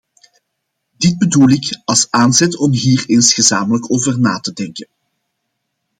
Dit bedoel ik als aanzet om hier eens gezamenlijk over na te denken.